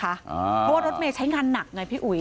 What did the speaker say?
เพราะว่ารถเมย์ใช้งานหนักไงพี่อุ๋ย